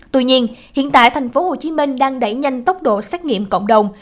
tuy nhiên hiện tại tp hcm đang đẩy nhanh tốc độ xét nghiệm cộng đồng